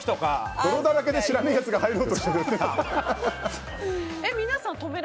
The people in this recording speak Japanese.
泥だらけで知らないやつが入ろうとしたら。